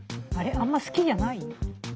あんま好きじゃない？